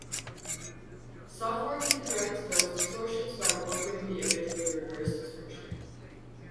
Software can correct those distortions by warping the image with a reverse distortion.